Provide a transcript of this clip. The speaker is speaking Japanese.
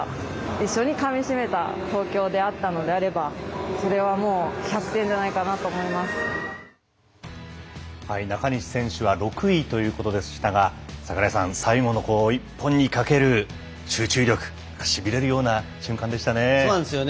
一緒にかみしめた東京であったのであればそれはもう１００点じゃないかなと中西選手は６位ということでしたが櫻井さん、最後の一本にかける集中力しびれるような瞬間でしたね。